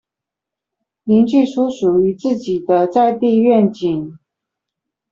凝聚出屬於自己的在地願景